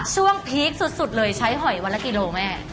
พีคสุดเลยใช้หอยวันละกิโลแม่